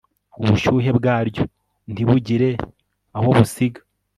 ubushyuhe bwaryo ntibugire aho busiga